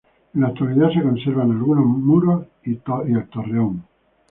En la actualidad se conservan algunos muros y el torreón.